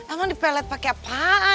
emang dipelet pake apaan